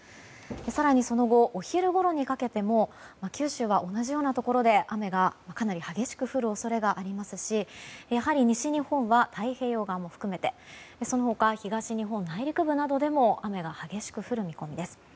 更にその後、お昼ごろにかけても九州は同じようなところで雨がかなり激しく降る恐れがありますしやはり西日本は太平洋側も含めてその他、東日本、内陸部などでも雨が激しく降る見込みです。